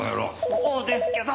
そうですけど。